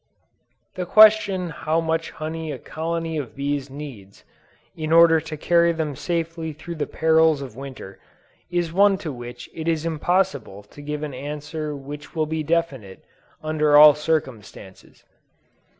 The question how much honey a colony of bees needs, in order to carry them safely through the perils of Winter, is one to which it is impossible to give an answer which will be definite, under all circumstances.